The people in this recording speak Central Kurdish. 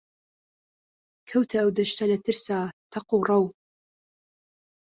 کەوتە ئەو دەشتە لە ترسا تەق و ڕەو